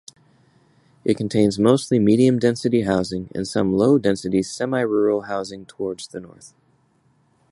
It contains mostly medium-density housing and some low-density semi-rural housing towards the north.